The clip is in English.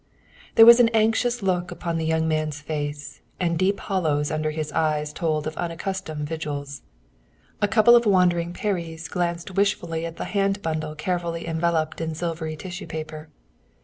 There was an anxious look upon the young man's face, and deep hollows under his eyes told of unaccustomed vigils. A couple of wandering peris gazed wishfully at the hand bundle carefully enveloped in silvery tissue paper.